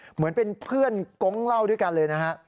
เหมือนเป็นเพื่อนกงเล่าด้วยกันเลยนะฮะ